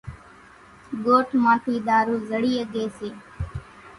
ڳوٺ مان ٿِي ۮارُو زڙِي ۿڳيَ سي۔